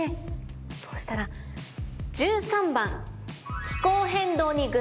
そうしたら１３番！